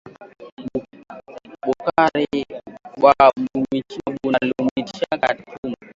Bukari bwa mubichi buna lumishaka tumbo